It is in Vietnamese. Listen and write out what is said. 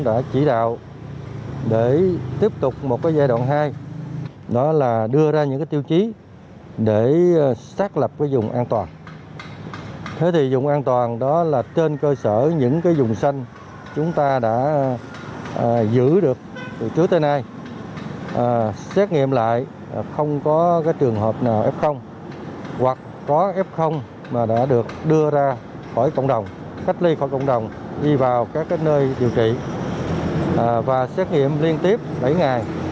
mà đã được đưa ra khỏi cộng đồng cách ly khỏi cộng đồng đi vào các nơi điều trị và xét nghiệm liên tiếp bảy ngày